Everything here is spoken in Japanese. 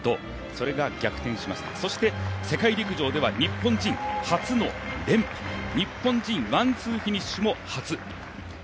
それが逆転しました、そして世界陸上では日本人初の連覇日本人ワンツーフィニッシュも初。